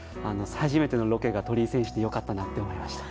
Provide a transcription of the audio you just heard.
初めてのロケが鳥居選手で良かったなと思いました。